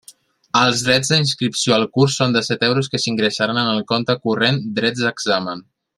Els drets d'inscripció al curs són de set euros, que s'ingressaran en el compte corrent drets d'examen.